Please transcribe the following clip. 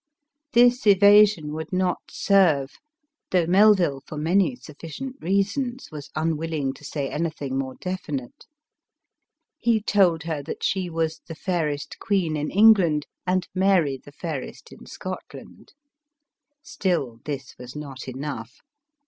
This evasion would not serve, though Mel ville, for many sufficient reasons, was unwilling to say anything more definite. He told her that she was the fairest queen in England, and Mary the fairest in Scot land. Still this was not enough.